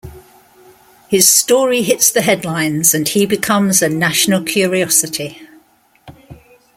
His story hits the headlines, and he becomes a national curiosity.